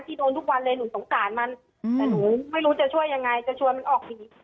โดนทุกวันเลยหนูสงสารมันแต่หนูไม่รู้จะช่วยยังไงจะชวนมันออกหนี